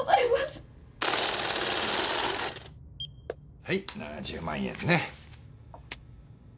はい７０万円ね。